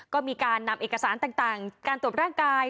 ก็มีนำเอกสารตัวร่างกาย